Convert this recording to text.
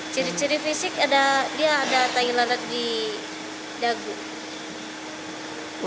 ciri ciri fisik ada dia ada tai lalat di dagu